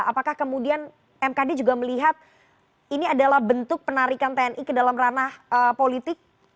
apakah kemudian mkd juga melihat ini adalah bentuk penarikan tni ke dalam ranah politik